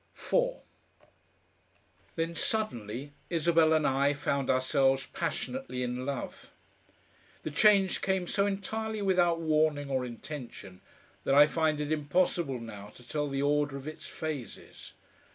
4 Then suddenly Isabel and I found ourselves passionately in love. The change came so entirely without warning or intention that I find it impossible now to tell the order of its phases.